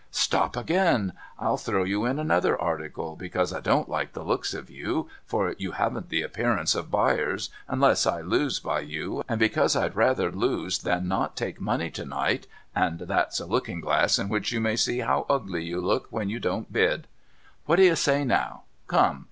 Stop again ! I'll throw you in another article, because I don't like the looks of you, for you haven't the appearance of buyers unless I lose by you, and because I'd rather lose than not take money to night, and that's a looking glass in which you may see how ugly you look when you don't bid. What do you say now ? Come